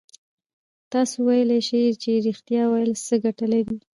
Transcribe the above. تاسو ویلای شئ چې رښتيا ويل څه گټه لري؟